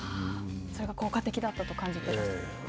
それが効果的だったと感じていると。